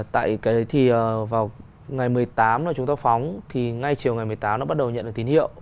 tại cái thì vào ngày một mươi tám là chúng ta phóng thì ngay chiều ngày một mươi tám nó bắt đầu nhận được tín hiệu